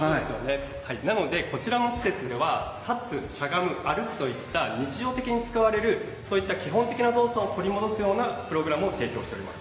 なのでこちらの施設では立つしゃがむ、歩くといった日常的に使われるそういった基本的な動作を取り戻すようなプログラムを提供しています。